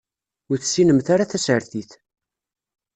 Ur tessinemt ara tasertit.